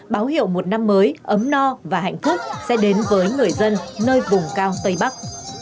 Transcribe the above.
báo hiệu một năm mới ấm no và hạnh phúc sẽ đến với người dân nơi vùng cao tây bắc